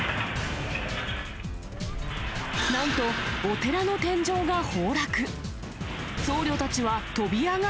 なんとお寺の天井が崩落。